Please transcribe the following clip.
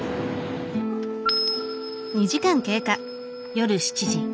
夜７時。